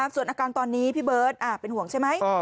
ส่วนอาการตอนนี้พี่เบิร์ตเป็นห่วงใช่ไหม